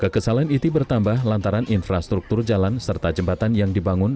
kesalahan iti bertambah lantaran infrastruktur jalan serta jembatan yang dibangun